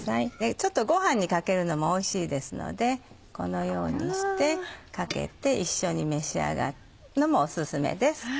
ちょっとご飯にかけるのもおいしいですのでこのようにしてかけて一緒に召し上がるのもオススメです。